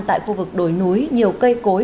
tại khu vực đối núi nhiều cây cối